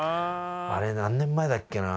あれ何年前だっけな？